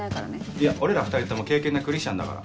いや俺ら２人とも敬虔なクリスチャンだから。